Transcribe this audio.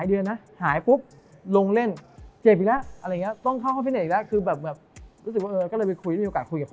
จะถึงข้อเท้ามีเข่า